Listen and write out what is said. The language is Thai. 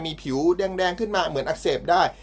มีผิวแดงขึ้นมาเหมือนอักเสบได้